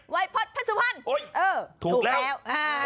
วัยพจน์เพชรสุพรรณเออถูกแล้วถูกแล้ว